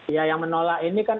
ya yang menolak ini kan